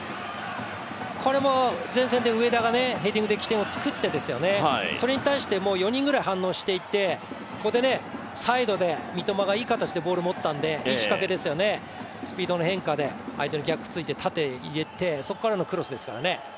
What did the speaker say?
これも前線で上田がヘディングで起点を作ってそれに対して４人ぐらい反応していてここでサイドで、三笘がいい形でボールを持ったのでいい仕掛けですよね、スピードの変化で相手の逆ついて縦入れて、そこからのクロスですからね。